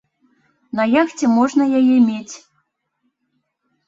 На яхце можна яе мець.